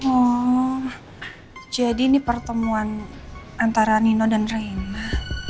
oh jadi ini pertemuan antara nino dan raina